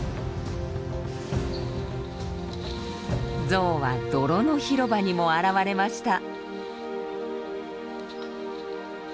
ゾウは泥の広場にも現れました。